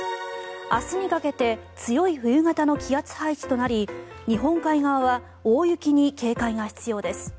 明日にかけて強い冬型の気圧配置となり日本海側は大雪に警戒が必要です。